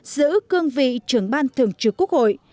giữ cương vị trưởng ban thường trực quốc hội